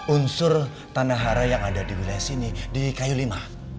unsur tanah hara yang ada di wilayah sini di kayu lima